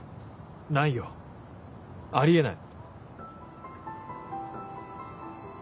ないよあり得ない。